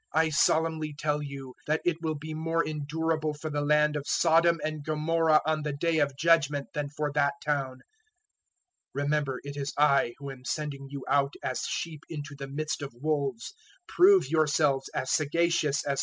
010:015 I solemnly tell you that it will be more endurable for the land of Sodom and Gomorrah on the day of Judgement than for that town. 010:016 "Remember it is I who am sending you out, as sheep into the midst of wolves; prove yourselves as sagacious as serpents, and as innocent as doves.